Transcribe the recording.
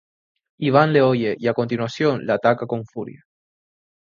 Iván le oye y a continuación le ataca con furia.